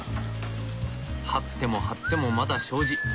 張っても張ってもまだ障子。